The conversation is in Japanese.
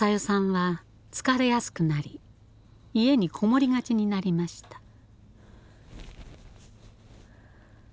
さんは疲れやすくなり家に籠もりがちになりました。